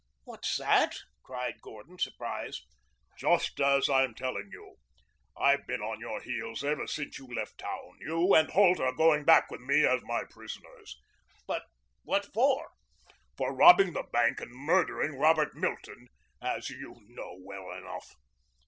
"What's that?" cried Gordon, surprised. "Just as I'm telling you. I've been on your heels ever since you left town. You and Holt are going back with me as my prisoners." "But what for?" "For robbing the bank and murdering Robert Milton, as you know well enough."